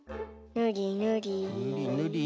ぬりぬり。